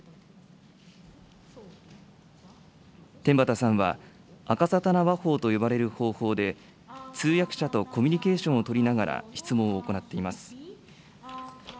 天畠さんは、あかさたな話法と呼ばれる方法で、通訳者とコミュニケーションを取りながら質問を行っています。